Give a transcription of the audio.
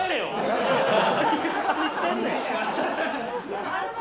何してんねん！